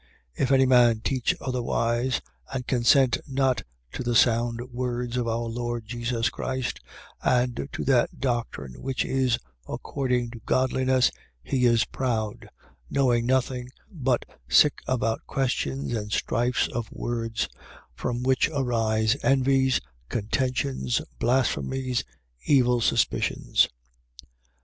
If any man teach otherwise and consent not to the sound words of our Lord Jesus Christ and to that doctrine which is according to godliness, 6:4. He is proud, knowing nothing, but sick about questions and strifes of words; from which arise envies, contentions, blasphemies, evil suspicions, 6:5.